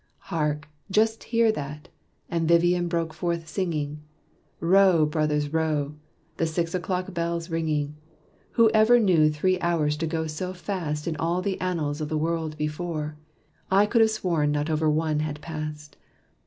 "Hark! just hear that!" and Vivian broke forth singing, "Row, brothers, row." "The six o'clock bell's ringing! Who ever knew three hours to go so fast In all the annals of the world, before? I could have sworn not over one had passed.